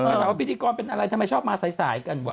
ก็ถามว่าพิธีกรเป็นอะไรทำไมชอบมาสายกันว่